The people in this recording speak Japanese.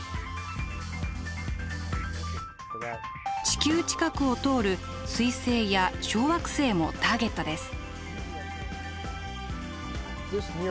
地球近くを通る彗星や小惑星もターゲットです。